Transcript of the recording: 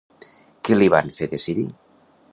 Què li van fer decidir?